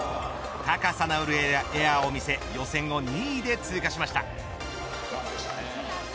高さのあるエアを見せ予選を２位で通過しました。